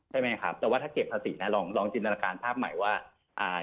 ใช่ไหมครับแต่ว่าถ้าเก็บภาษีนะลองลองจินตนาการภาพใหม่ว่าอ่า